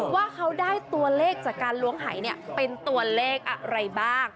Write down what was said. ว่าเขาได้ตัวเลขจากการล้วงหายเป็นตัวเลขอะไรบ้าง